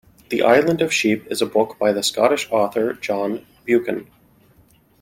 The Island of Sheep is a book by the Scottish author John Buchan